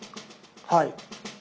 はい。